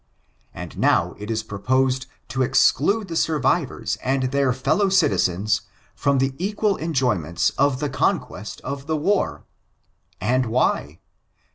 And now it is proposed to exclude the survivors and their fellow citizenft from the equal enjoyments of the conquest of the war ! And why